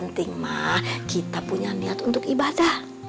yang penting mah kita punya niat untuk ibadah